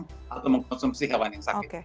maksudnya itu adalah mengkonsumsi hewan yang sakit